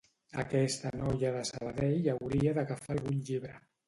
Aquesta noia de Sabadell hauria d'agafar algun llibre